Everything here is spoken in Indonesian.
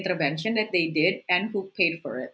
dan siapa yang membayar